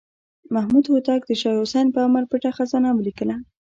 محمد هوتک د شاه حسین په امر پټه خزانه ولیکله.